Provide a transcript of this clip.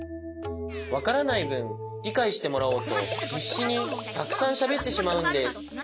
わからないぶんりかいしてもらおうとひっしにたくさんしゃべってしまうんです。